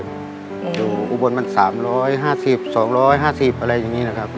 อยู่อุบลมัน๓๕๐๒๕๐อะไรอย่างนี้นะครับ